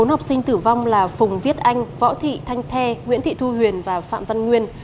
bốn học sinh tử vong là phùng viết anh võ thị thanh the nguyễn thị thu huyền và phạm văn nguyên